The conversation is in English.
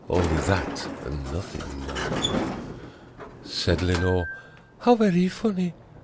Only that and nothing more. Said Lenore, "How very funny!